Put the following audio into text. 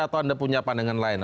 atau anda punya pandangan lain